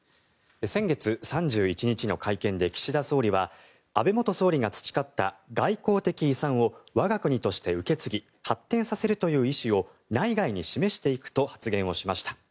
先月３１日の会見で岸田総理は安倍元総理が培った外交的遺産を我が国として受け継ぎ発展させるという遺志を内外に示していくと発言をしました。